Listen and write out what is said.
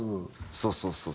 そうそうそう。